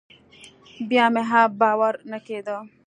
بيا مې هم باور نه کېده.